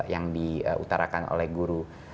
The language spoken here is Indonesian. yang diutarakan oleh guru